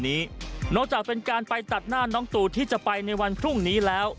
นอกจากเป็นการไปตัดหน้าน้องตูที่จะไปในวันพรุ่งนี้แล้ว